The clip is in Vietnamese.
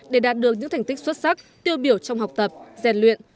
để đạt được những thành tích xuất sắc tiêu biểu trong học tập rèn luyện